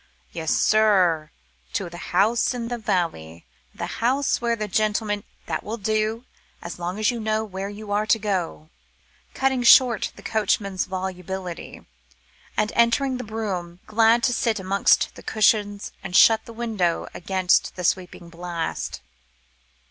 "Yes, sir; to the house in the valley; the house where the gentleman " "That will do, as long as you know where you are to go," Sir Arthur said, cutting short the coachman's volubility, and entering the brougham, glad to sit back amongst the cushions, and shut the window against the sweeping blast.